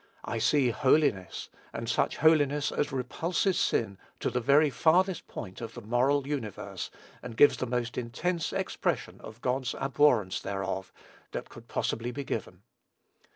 I see holiness, and such holiness as repulses sin to the very farthest point of the moral universe, and gives the most intense expression of God's abhorrence thereof, that could possibly be given.